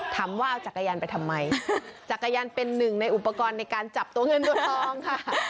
ว่าเอาจักรยานไปทำไมจักรยานเป็นหนึ่งในอุปกรณ์ในการจับตัวเงินตัวทองค่ะ